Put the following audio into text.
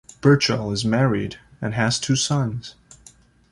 Birchall is married and has two sons.